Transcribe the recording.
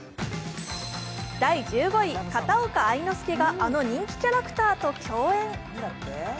第１５位、片岡愛之助があの人気キャラクターと共演。